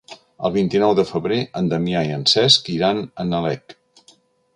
El vint-i-nou de febrer en Damià i en Cesc iran a Nalec.